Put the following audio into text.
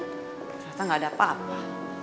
ternyata nggak ada apa apa